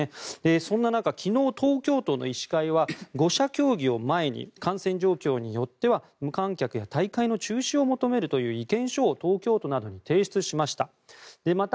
そんな中、昨日東京都の医師会は５者協議を前に感染状況によっては無観客や大会の中止を求めるという意見書を東京都などに提出しました。